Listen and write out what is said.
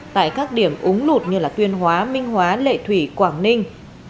tại các điểm úng lụt như tuyên hóa minh hóa lệ thủy quảng ninh